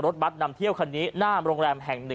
รถบัตรนำเที่ยวคันนี้หน้าโรงแรมแห่ง๑